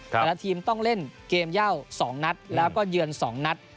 แต่ละทีมต้องเล่นเกมย่าวสองนัทแล้วก็เยือนสองนัท